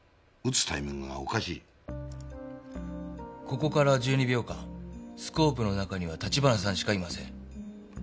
ここから１２秒間スコープの中には橘さんしかいません。